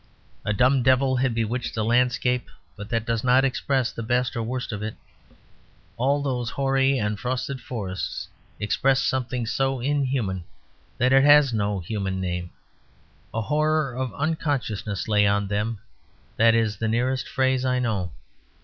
A dumb devil had bewitched the landscape: but that again does not express the best or worst of it. All those hoary and frosted forests expressed something so inhuman that it has no human name. A horror of unconsciousness lay on them; that is the nearest phrase I know.